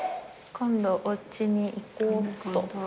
今度おうちに行こうっと。